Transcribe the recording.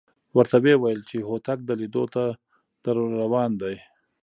ورته وېویل چې هوتک د لیدو ته درروان دی.